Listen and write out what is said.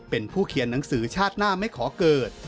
เป็นผู้เขียนหนังสือชาติหน้าไม่ขอเกิด